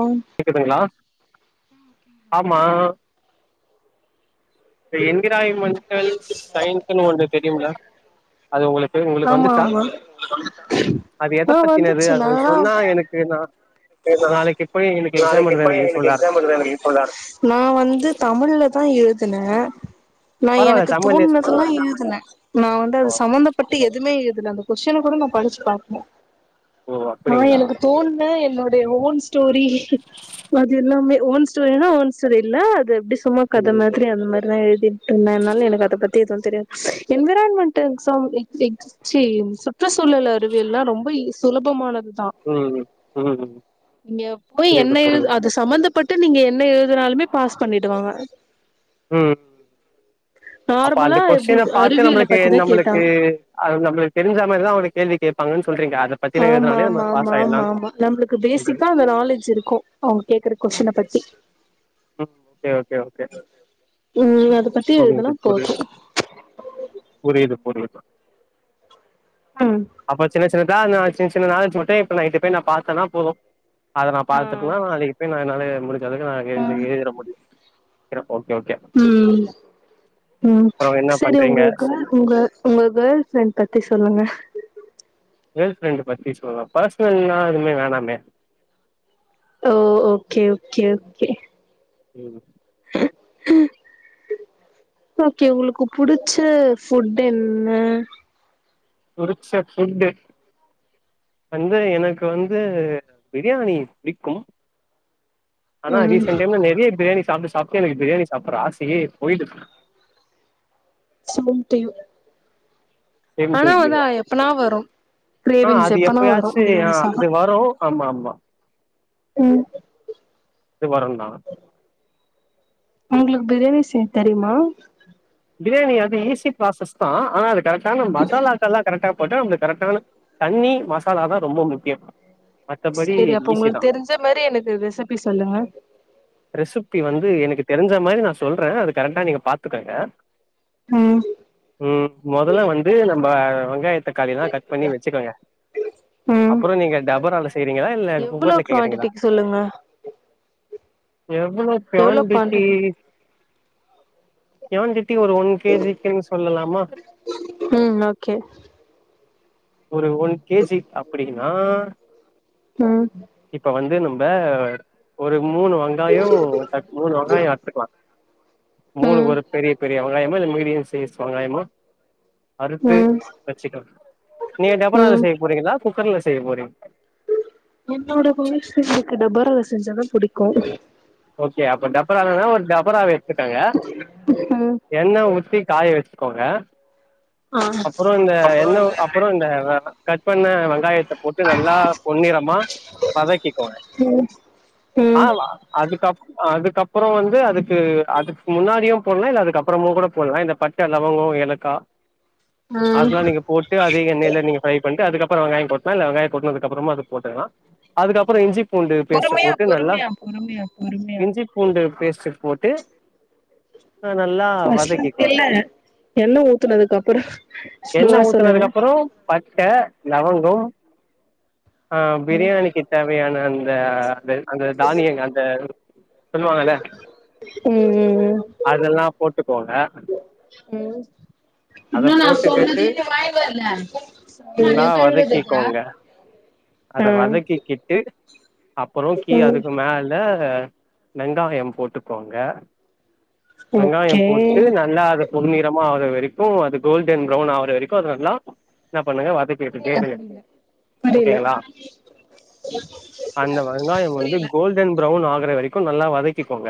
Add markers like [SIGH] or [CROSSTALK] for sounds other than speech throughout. ஆம் இருப்பீங்களா ஆமா இந்த என்விராய்ன் மெண்டல் சைன்ஸ்ன்னு ஒன்னு தெரியுங்லா அது உங்களுக்கு உங்களுக்கு ஆமா வந்துச்சா ஆமா அது எத ஆ பத்தினது வந்துச்சு அது கொஞ்சோ சொன்னா எனக் பேனா ஏன்னா நாளைக்கு எப்ப எனக்கு யூஸ்ஃபுல்லா எக்ஸம் இருக்கு எழுத எனக்கு நா வந்து தமிழ்ல தா எழுதுன நா பரவால்ல எனக்கு தமிழ்லயே சொல்லுங்க தோன்னதெல்லா எழுதுன நா வந்து ஓ அத சம்பந்தப்பட்ட எதுமே எழுதுல அந்த கொஷ்டின கூட நா படிச்சி பாக்ல ஓ ஆ அப்படிங்களா எனக்கு தோன்ன என்னுடைய ஓன் ஸ்டோரி அது எல்லாமே ஓன் சோ ஏனா உடம் சரியில்லா அது எப்டி சும்மா கத ம் மாரி எப்டி அந்த மாதிரிதா எழுதிட்டு இருந்தன்னால எனக்கு அத பத்தி எதுவு தெரியாது என்விரான் மென்டல் எக்ஸம் எக்ஸ் சே சுற்றுச்சூழல் அறிவியல்லா ரொம்ப ஈ சுலபமானதுதா ம் ம் நீங்க போய் புரியுது என்ன எழுது புரியுது அத சம்பந்தப்பட்டு நீங்க என்ன எழுதுனாலுமே பாஸ் பண்ணிடுவாங்க ம் அப்ப நார்மலா அந்த எப்டி கொஸ்டின பாத்து அறிவியல நம்மளுக்கு பத்திதா நம்பளுக்கு கேட்டாங்க அத நம்பளுக்கு தெரிஞ்சா மாரிதா அவுங்களு கேள்வி கேப்பாங்கன் சொல்றீங்க அத பத்தின இதுனாலே நம்ம பாஸ் ஆயிடலான்னு ஆம்மாம்மாம்மாம்மாம்மா நம்பளுக்கு சொல்றீங்க பேசிக்கா அந்த நாலேஜ் இருக்கு அவுங்க கேக்குற கொஷ்டின பத்தி ம் ஓகே ஓகே ஓகே ம் அத பத்தி எழுதுனா போது புரியிது புரியிது ம் அப்ப சின்ன சின்னதா நா சின்ன சின்ன ஆரஞ் மிட்டாய் நா நைட்டு போய் நா பாத்தனா போது அத நா பாத்துட்டுன்னா ம் நா அதுக்கு போய் நா என்னால முடிஞ்ச அளவுக்கு நா எழு ந முடி றா ஓகே ஓகே ம் ம் அப்புறோ என்ன சரி பண்றீங்க உங்களுக்கு உங்க உங்க கேல் ஃப்ரெண்ட் பத்தி சொல்லுங்க கேல் ஃப்ரெண்டு பத்தி சொல்லவா பர்சனல்லா எதுமே வேணாமே ஓ ஓகே ஓகே ஓகே ம் ஓகே உங்களுக்கு புடிச்ச ஃபுட்டு என்ன புடிச்ச ஃபுட்டு வந்து எனக்கு வந்து பிரியாணி புடிக்கும் ஆனா ம் ரீசன்ட டைம்ல நறைய பிரியாணி சாப்ட்டு சாப்ட்டு எனக்கு பிராணி சாப்புற ஆசையே போயிடுது same to you same to ஆனா யூ வந்து அ எப்பனா வரு ஆ கிரேவிங்ஸ் அது எப்பனா வரு எப்பயாச்சு ஆ பிரியாணி அது சாப்ட வரு ஆமா ஆமா ம் து வரண்றா உங்களுக்கு பிரியாணி செய்ய தெரியுமா பிரியாணி அது ஈசி ப்ராசஸ் தா ஆனா அது கரெக்ட்டான மசாலாக்கல்லா கரெக்டா போட்ட உங்களுக்கு கரெக்டான தண்ணி மசாலா தா ரொம்ப முக்கியோ செரி அப்ப உங்களுக்கு தெரிஞ்ச மரி எனக்கு ரெசிபி சொல்லுங்க ரெசிப்பி வந்து எனக்கு தெரிஞ்சா மாரி நா சொல்ற அது கரெக்டா நீங்க பாத்துக்கோங்க ம் ம் மொதல்ல வந்து நம்ப வெங்காய தக்காளில்லா கட் பண்ணி வெச்சிக்கோங்க ம் அப்புற நீங்க டபரால செய்றீங்களா இல்ல எவ்ளோ குக்கர்ல கேக்குறீங்களா குவான்டிட்டிக்கு சொல்லுங்க எவ்ளோ எவ்ளோ குவாண்டிட்டி குவான்டிட்டி குவெண்டிட்டி ஒரு ஒன் கேஜிக்கின்னு சொல்லலாமா ம் ஓகே ஒரு ஒன் கேஜி அப்டின்னா ம் இப்ப வந்து நம்ப ஒரு மூணு வெங்காயோ மூணு வெங்காயோ எத்துக்கலா மூணுக்கு ம் ஒரு பெரிய பெரிய வெங்காயமா இல்ல மீடியம் சைஸ் வெங்காயமா அறுத்து ம் வெச்சிக்க நீங்க டபரால ம் செய்ய போறீங்களா குக்கர்ல செய்ய போறீங் என்னோட புருஷனுக்கு டபரால செஞ்சாதா புடிக்கோ ஓகே அப்ப டபராலனா ஒரு டபராவ எடுத்துக்கோங்க ஹும் எண்ண ஊத்தி காய வெச்சிக்கோங்க ஆ அப்றோ இந்த என்ன அப்பறோ இந்த கட் பண்ண வெங்காயத்த போட்டு நல்லா பொன்னிறமா வதக்கிக்கோங்க ம் ம் ஆமா அதுக்கப் அதுக்கப்பறோ வந்து அதுக்கு அதுக்கு முன்னாடியியோ போட்லா இல்ல அதுக்கப்பறமோ கூட போட்லா இந்த ப ட்ட லவங்கோ ஏலக்கா ம் அதெல்லா நீங்க போட் டு அதே எண்ணைல நீங்க ஃப்ரை பண்ட்டு அதுக்கப்பறோ வெங்காயோ போட்டு இல்ல வெங்கயோ கொட்னதுக்கு அப்பறோமா அது போட்டுகலா அதுக்கப்பறோ இஞ்சி பூண்டு பேஸ்ட்டு பொறுமையா போட்டு நல்லா பொறுமையா பொறுமையா பொறுமையா இஞ்சி பூண்டு பேஸ்ட்டு போட்டு ஆ நல்லா வதக்கிக்கோனோ எண்ண ஊத்தனதுக் அப்பறோ எண்ணெ ஊத்துனதுக்கு அப்பறோ பட்ட லவங்கோ ஆ ம் பிரியாணிக்கு தேவையான அந்த அந்த அந்த தானியங்க அந்த சொல்லுவாங்கல்ல ம் ம் ம் அதெல்லா போட்டுக்கோங்க ம் அத போட்டுக்கிட்டு நல்லா வதக்கிக்கோங்க ம் அத வதக்கிக்கிட்டு அப்பறோ கீ ம் அதுக்கு மேல் லே வெங்காயோ போட்டுக்கோங்க வெங்காயோ ஓகே போட்டு நல்லா அத பொன்னிரமா ஆக்ற வரைக்கு அது கோல்டன் ப்ரவுன் ஆகற வரைக்கு அது நல்லா என்ன பண்ணுங்க வதக்கி விட்டே இருங்க புரில ஓகேங்களா அந்த வெங்காயோ வந்து கோல் கோல்டன் பிரவுன் ஆகர வரைக்கு நல்லா வதக்கிக்கோங்க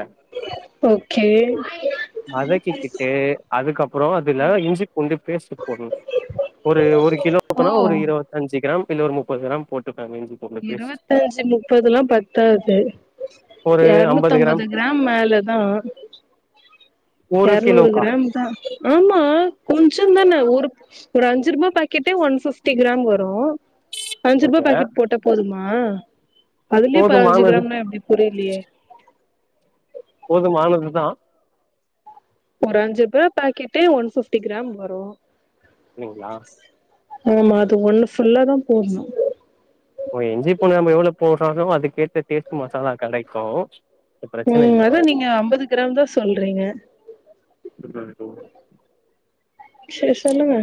[UNINTELLIGIBLE] வதக்கிக்கிட்டு அதுக்கப்பறோ அதுல்ல இஞ்சி பூண்டு பேஸ்ட்டு போட்னு ஒரு ஒரு ஓ கிலோபக்குனா ஒரு இருவத்தஞ்சி கிராம் இல்ல ஒரு முப்பது கிராம் போட்டுக்காங்க இருவத்தஞ்சு முப்பதுல்லா பத்தாது ஒரு அம்பது எரநூத்தம்பது கிராம் மேலதா ஒரு எரநூறு கிலோக்கா கிராம் தா ஆமா கொஞ்சோ தான ஒரு ஒரு அஞ்சு ரூபா பாக்கெட்டே ஒன்ஃபிப்டி கிராம் வரு அஞ்சு ரூபா ஓகே பாக்கெட் போட்ட போதுமா அதுலயே பதினஞ்சி போதுமானது கிராம்னா எப்டி புரியலையே போதுமானது தா ஒரு அஞ்சு ரூபா பாக்கெடே ஒன் ஃபிப்டி கிராம் வரு இல்லைங்களா ஆமா அது ஒண்ணு ஃபுல்ல தா போட்ணோ ஓ இஞ்சி பூண்டு நம்ம எவ்ளோ போறமோ அதுக்கேத்த டேஸ்ட் மசாலா கெடைக்கோ ம் அதா நீங்க அம்பது கிராம் தா சொல்றீங்க ம். சேரி சொல்லுங்க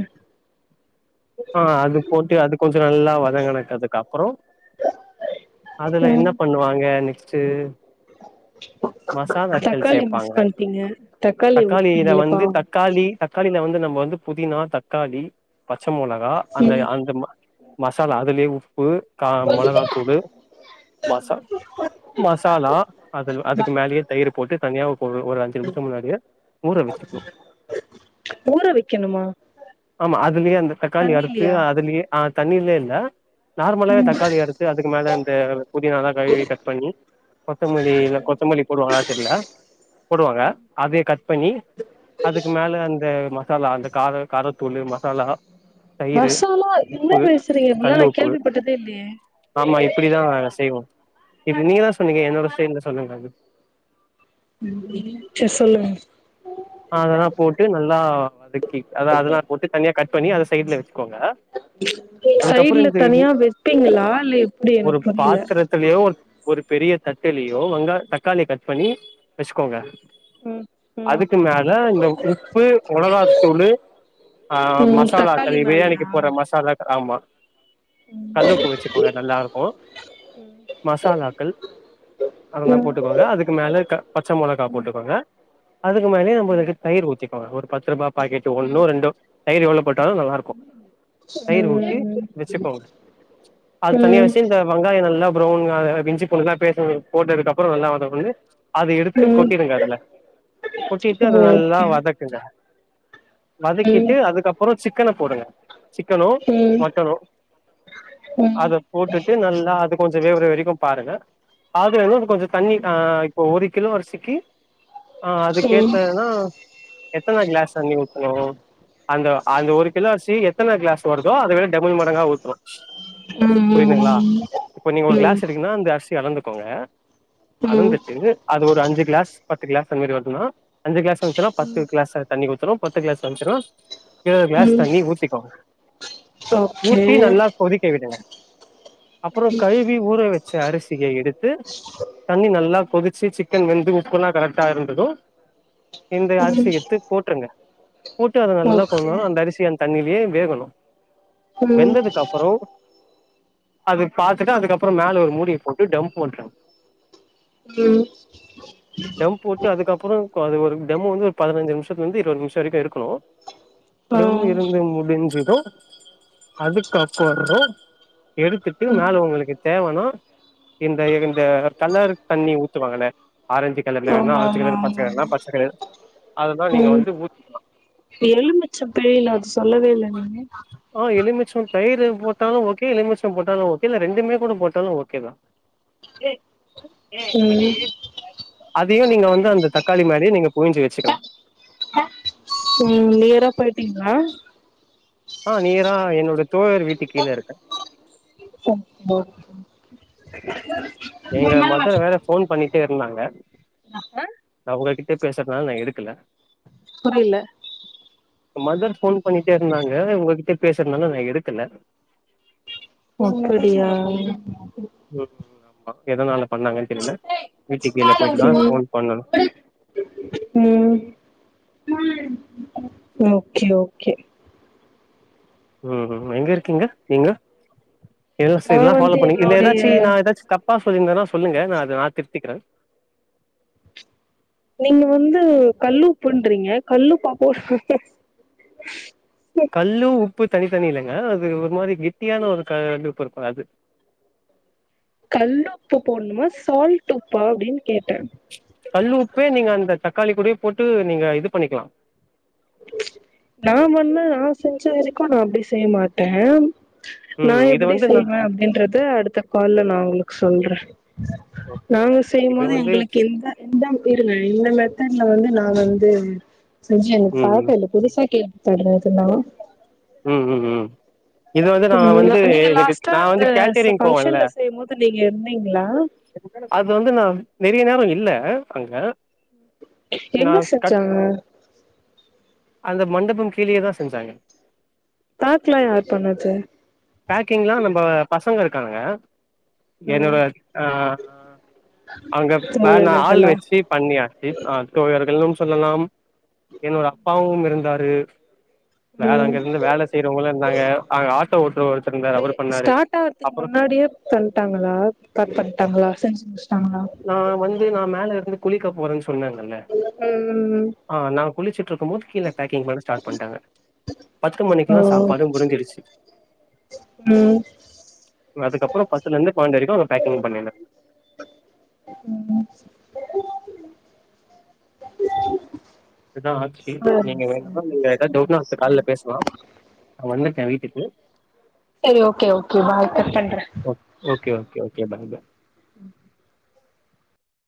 ஆ அது போட்டு அது கொஞ்சோ நல்லா வதங்கன அதுக்கு அப்றோ அதுல ம் என்ன பண்ணுவாங்க நெக்ஸ்ட்டு மசால்கள் தக்காளி சேப்பாங்க மிஸ் பண்ட்டீங்க தக்காளி தக்காளில விட்டீங்களே வந்து பாவோ தக் காளி தக்காளியில வந்து நம்ம வந்து புதினா தக்காளி பச்ச மொளகா அந்த ம் அந்த மசாலா அதுலயே உப்பு கா மொளகாத்தூளு மாசா மசாலா அதுல் அதுக்கு மேலேயே தயிரு போட்டு தனியா போ ஒரு அஞ்சு நிமிஷம் முன்னாடியே ஊற வச்சிருக்கனு ஊற வைக்கனுமா லியே அந்த தக்காளிய அறுத்து அதுலியே ஆ தண்ணிலே இல்ல நார்மல்லாவே தக்காளிய அறுத்து அதுக்கு மேல இந்த புதினாலா கழுவி கட் பண்ணி கொத்தமல்லி இ கொத்தமல்லி போடுவாங்களான்னு தெர்ல போடுவாங்க அதே கட் பண்ணி அதுக்கு மேல அந்த மசாலா அந்த கார காரத்தூளு மசாலா தயிரு மாசாலா என்ன உப்பு பேசுறீங்க இப்டியெல்லா கல் நா உப்பு கேள்விப்பட்டதே இல்லையே ஆமா இப்டிதா செய்வோ இப்ப நீங்க தா சொன்னீங்க என்னோட ஸ்டைல்ல சொல்லுங்கன்னு செரி சொல்லுங்க அதெல்லா போட்டு நல்லா அதுக்கி அத அதெல்லா போட்டு தனியா கட் பண்ணி அத சைட்ல வச்சுக்கோங்க அதுக்கப்புறோ சைடுல இந்த தனியா வெப்பீங்களா இல்ல எப்டி எனக்கு புரியல த்துலயோ ஒரு பெரிய தட்டுலியோ வெங்கா தக்காளிய கட் பண்ணி வச்சுக்கோங்க ம் ம் அதுக்கு மேல இந்த உப்பு மொளகாத்தூளு ஆ ம் மசாலா தக்காளி [UNINTELLIGIBLE] பிரியாணிக்கு மேலயா போடுற மசாலா ஆமா கல் உப்பு வச்சுக்கோங்க நல்லா இருக்கு மசாலாக்கள் அதெல்லா ம் போட்டுக்கோங்க அதுக்கு மேல க பச்ச மொளகா போட்டுக்கோங்க [UNINTELLIGIBLE] உங்களுக்கு தயிர் ஊத்திக்கோங்க ஒரு பத்து ரூபா பாக்கெட் ஒன்னோ ரெண்டோ தயிர் எவ்ளோ போட்டாலு நல்லா இருக்கு தயிர் ஊத்தி ம் வச்சுக்கோங்க அது தனியா ம் வச்சி இந்த வெங்காயம் நல்லா ப்ரெளன்னா இஞ்சி பூண்டுலா பேஸ்ட் போட்டதுக்கு அப் அப்றோ நல்லா வதக்குங்கஅது எடுத்து ம் கொட்டிடுங்க அதுல கொட்டிட்டு அத நல்லா ஓகே வதக் குங்க வதக்கிட்டு ம் அதுக்கப்புறம் சிக்கனை போடுங்க சிக்கனோ ம் ம் ம் ம் மட்டனோ அது போட்டுட்டு நல்லா அது கொஞ்சம் வேவுர வரைக்கும் பாருங்க அதுல இன்னும் கொஞ்சம் தண்ணி ஆ ப்ப ஒரு கிலோ அரிசிக்கு கேத்ததுனா எத்தனை கிளாஸ் தண்ணி ஊத்தணும் அந்த அந்த ஒரு கிலோ அரிசி எத்தனை கிளாஸ் வருதோ அதை விட டபிள் மடங்கா ஊத்துரோம் புரியுதுங்களா ம் ம் இப்ப நீங்க ஒரு ம் கிளாஸ் எடுக்கன்னா அந்த அரிசி அலந்துக்கோங்க ம் அளந்துட்டு அது ஒரு அஞ்சு கிளாஸ் பத்து கிளாஸ் அந்த மாரி வருதுனா அஞ்சு கிளாஸ் வந்ச்சுனா பத்து கிளாஸ் தண்ணி ஊத்தனும் பத்து கிளாஸ் வந்ச்சுனா இருவது கிளாஸ் தண்ணி ஊத்திக்கோங்க ஓகே ஊத்தி நல்லா கொதிக்க விட்ருங்க அப்றோம் கழுவி ஊற வச்ச அரிசியை எடுத் து தண்ணி நல்லா கொதிச்சு சிக்கன் வெந்து உப்புெல்லாம் கரெக்ட்டா இருந்ததும் இந்த அரிசி ம் எடுத்து போட்டுருங்க போட்டு அது நல்லா ஓகே கொஞ்ச அந்த அரிசி அந்த தண்ணிலே வேகணும் ம் வெந்ததுக்குப்புறம் அது பாத்துட்டு அதுக்கப்புறம் மேல ஒரு மூடியை போட்டு தம்போட் ம் தம் போட்டு அதுக்கப்புறம் அது ஒரு தம் வந்து ஒரு பதினஞ்சு நிமிஷத்துல இருந்து இருபது நிமிஷம் வரைக்கும் இருக்கணும் ஆ தம் இருந்து முடிஞ்சது அடுப் ஆப் பண்ணிட்டு எடுத்துட்டு மேலும் உங்களுக்கு தேவனா இந்த இந்த கலர் தண்ணி ஊத்துவாங்கள ஆரஞ்சு கலர்ல வேணா ஆமா ஆரஞ்சு ஆமா கலர் ஆமா பச்சக்கலர் அதுதான் நீங்க வந்து ஊத்திக்கலாம் எலுமிச்சம் புழியனும் அது சொல்லவே இல்ல நீங்க ஆ எலுமிச்சோ தயிரு போட்டாலு ஓகே எலுமிச்சோ போட்டாலு ஓகே இல்ல ரெண்டுமே கூட போட்டாலு ஓகேதா ஏ ம் அதையு நீங்க வந்து அந்த தக்காளி மாரியே நீங்க புழிஞ்சி வச்சுக்கலா ம் நேரா போய்ட்டீங்ளா ஆ நேரா என்னோட தோழர் வீட்டு கீழ இருக்கே ஒ ஒ எங்க மதர் வேற போன் பண்ணிகிட்டே இருந்தாங்க நா உங்ககிட்ட பேஸ்றதனால நா எடுக்கல புரில மதர் போன் பண்ணிட்டே இருந்தாங்க உங்க கிட்ட பேசுறதனால நா எடுக்கல ஓ அப்டியா ம் ஆமா எதனால பண்ணாங்கன்னு தெரியல வீட்டுக்கீழ போய்ட்டு தா போன் பண்ணணு ம் ஓகே ஓகே ம்ம் எங்க இருக்கீங்க நீங்க எதும் சே நா எதுலா பாலோ வந்து பண்ணிங்க இல்ல என்னுடைய ஏதாச்சு நா எதாச் தப்பா சொல்லிருந்தேனா சொல்லுங்க நா அத நா திருத்திக்கிறே நீங்க வந்து கல்லுப்புண்றீங்க கல்லு பாப்போட் கல்லு உப்பு தனித்தனி இல்லங்க அது ஒரு மாரி கெட்டியான ஒரு கல்லுஉப்பு இருக்கு அது கல்லு உப்பு போடணுமா சால்ட் உப்பா அப்டின் கேட்டே கல்லுஉப்பே நீங்க அந்த தக்காளி கூட போட்டு நீங்க இது பண்ணிக்கலா நா பண்ணா நா செஞ்ச வரைக்கு நா அப்டி செய்ய மாட்டே நா ம் இத எப்டி வந்து நா செய்வ அப்டின்றது வந்து அடுத்த கால்ல நா உங்களுக்கு சொல்ற நாங்க இது செய்யும்போது வந்து எங்களுக்கு எந்த எந்த இருங்க இந்த மெத்தட்ல வந்து நா வந்து செஞ்சி எங்களுக்கு ம் பழக்கோ இல்ல புதுசா கேள்விபடுற இதெல்லா ம் ம் ம் இது வந்து நா ம் வந்து நீங்க எனக்கு லாஸ்ட்டா நா வந்து அந்த கேட்டரிங் போவன்ல ஃபங்க்ஷன்ல செய்யும்போது நீங்க இருந்தீங்களா அது வந்து நா நெறைய நேரோ இல்ல அங்க நா எங்க கட் செஞ்சாங்க அந்த மண்டபம் கீழயேதா செஞ்சாங்க பார்க்லா யார் பண்ணது பேக்கிங்லா நம்ம பசங்க இருக்கானுங்க ம் என்னோட ஆ அங்க ப நா தோழல் ஆள் இதெல்லா வச்சி பண்ணியாச்சி ஆ தோழர்களும் சொல்லலாம் என்னோட அப்பாவும் இருந்தாரு வேற ம் அங்க இருந்து வேல செய்யறவுங்களு இருந்தாங்க அங்க ஆட்டோ ஓட்டுற ஒருத்தர் இருந்தாரு ப்ரே அவரு பண்ணாரு ஸ்டார்ட் ஆகுறதுக்கு அப்புறோ முன்னாடியே பண்ட்டாங்களா ஸ்டார்ட் பண்ட்டாங்ளா செஞ்சு முடிச்சிட்டாங்களா நா வந்து நா மேல இருந்து குளிக்க போறன் சொன்னாங்கல்ல ம் ம் ம் ஆ நா குளிச்சிட்டு இருக்கும் போது கீழ பேக்கிங் பண்ண ஸ்டார்ட் பண்ணிட்டாங்க பத்து ஓ மணிக்குல்லா சாப்பாடு முடிஞ்சிருச்சி உம் அதுக்கப்புறோ பத்துல இருந்து பணென்ட்டு வரைக்கு அங்க பேக்கிங் பண்ணல ம் ம் சரி ம் இதா ஆச்சி சரி நீங்க வேணுனா நீங்க எதாது டவுட்ணா அடுத்த கால்ல பேசலா நா வந்துட்ட வீட்டுக்கு சரி ஓகே ஓகே பாய் கட் பண்ற ஓ okay okay okay bye bye ம்